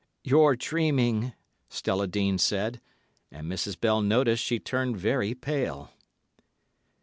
"You're dreaming," Stella Dean said, and Mrs. Bell noticed she turned very pale.